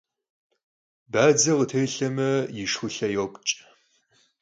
Badze khıtêlheme, yi şşxulhe yopç'.